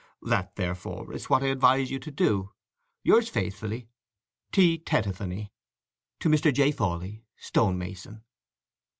That, therefore, is what I advise you to do. Yours faithfully, T. TETUPHENAY. To Mr. J. FAWLEY, Stone mason.